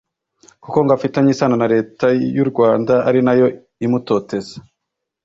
kuko ngo afitanye isano na Leta y’u Rwanda ari nayo imutoteza